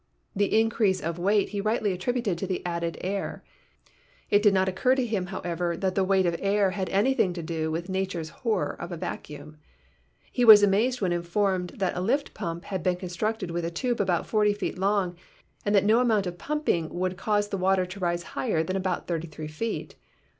The increase of weight he rightly attributed to the added air. It did not occur to him, however, that the weight of air had anything to do with nature's horror of a vacuum. He was amazed when informed that a lift pump had been constructed with a tube about forty feet long and that no amount of pumping would cause the water to rise higher than about thirty three feet.